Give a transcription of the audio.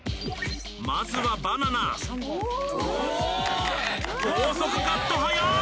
まずはバナナ高速カット速い！